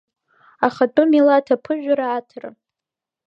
Ахатәы милаҭ аԥыжәара аҭара.